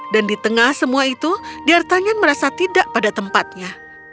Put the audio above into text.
dan di tengah semua itu diatanyan merasa tidak pada tempatnya